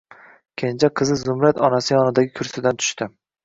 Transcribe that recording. Kenja qizi Zumrad onasi yonidagi kursidan tushdi.